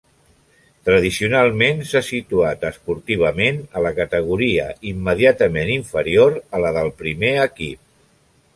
Tradicionalment s'ha situat esportivament a la categoria immediatament inferior a la del primer equip.